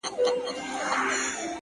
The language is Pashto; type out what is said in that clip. • چي ستا تر تورو غټو سترگو اوښكي وڅڅيږي،